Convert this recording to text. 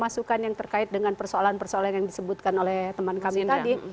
masukan yang terkait dengan persoalan persoalan yang disebutkan oleh teman kami tadi